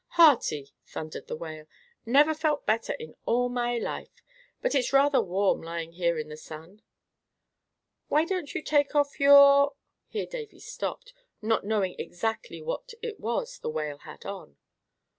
"Hearty!" thundered the Whale; "never felt better in all my life. But it's rather warm lying here in the sun." "Why don't you take off your" Here Davy stopped, not knowing exactly what it was the Whale had on.